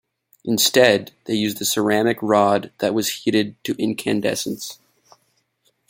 Instead, they used a ceramic rod that was heated to incandescence.